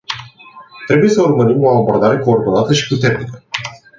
Trebuie să urmărim o abordare coordonată și puternică.